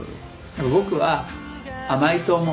僕は甘いと思う。